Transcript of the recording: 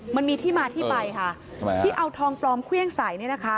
มันมีที่มาที่ไปค่ะทำไมที่เอาทองปลอมเครื่องใส่เนี่ยนะคะ